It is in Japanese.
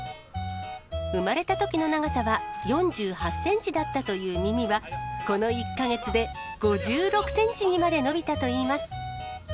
生まれたときの長さは４８センチだったという耳は、この１か月で５６センチにまで伸びたといいます。